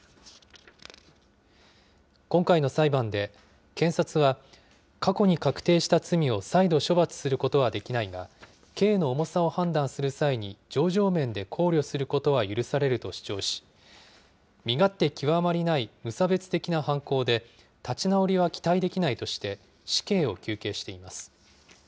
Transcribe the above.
今回の裁判で、検察は、過去に確定した罪を再度処罰することはできないが、刑の重さを判断する際に情状面で考慮することは許されると主張し、身勝手極まりない無差別的な犯行で、立ち直りは期待できないとして、死刑を求刑しています。